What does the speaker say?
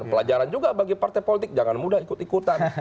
pelajaran juga bagi partai politik jangan mudah ikut ikutan